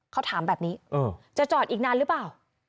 เขาถามแบบนี้จะจอดอีกนานหรือเปล่า